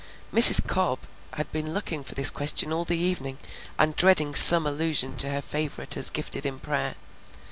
Mrs. Cobb had been looking for this question all the evening and dreading some allusion to her favorite as gifted in prayer.